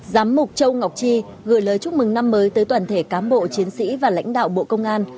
giám mục châu ngọc tri gửi lời chúc mừng năm mới tới toàn thể cán bộ chiến sĩ và lãnh đạo bộ công an